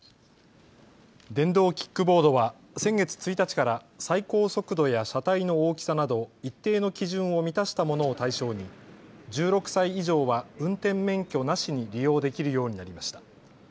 電動キックボードは先月１日から最高速度や車体の大きさなど一定の基準を満たしたものを対象に１６歳以上は運転免許なしに利用できるようになりました。